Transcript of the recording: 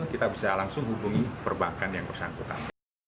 kita bisa langsung hubungi perbankan yang bersangkutan